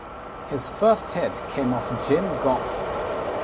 His first hit came off Jim Gott.